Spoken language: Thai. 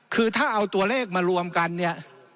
คือถ้าเอาตัวเลขมารวมกันเนี่ย